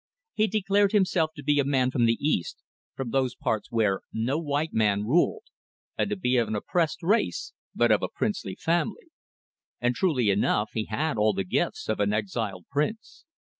He declared himself to be a man from the east, from those parts where no white man ruled, and to be of an oppressed race, but of a princely family. And truly enough he had all the gifts of an exiled prince.